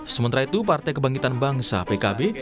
sementara itu partai kebangkitan bangsa pkb